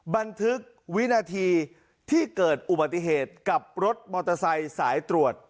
บันทึกวินาทีที่เกิดอุบัติเหตุกับรถมอเตอร์ไซค์สายตรวจ